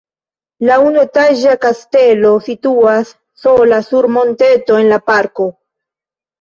La unuetaĝa kastelo situas sola sur monteto en la parko.